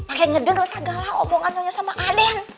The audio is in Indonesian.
makanya denger segala omongannya sama aden